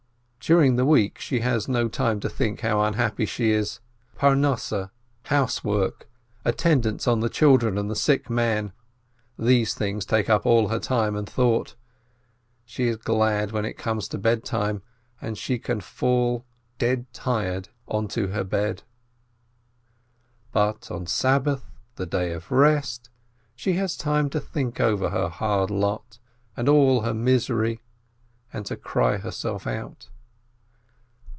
During the week she has no time to think how un happy she is. Parnosseh, housework, attendance on the children and the sick man — these things take up all her time and thought. She is glad when it comes to bedtime, and she can fall, dead tired, onto her bed. But on Sabbath, the day of rest, she has time to think over her hard lot and all her misery and to cry herself out.